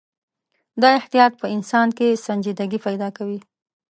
دا احتیاط په انسان کې سنجیدګي پیدا کوي.